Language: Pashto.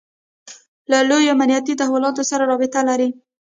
له لویو امنیتي تحولاتو سره رابطه لري.